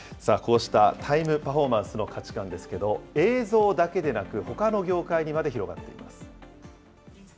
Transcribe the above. さあ、こうしたタイムパフォーマンスの価値観ですけど、映像だけでなく、ほかの業界にまで広がっています。